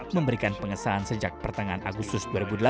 memberikan pengesahan sejak pertengahan agustus dua ribu delapan belas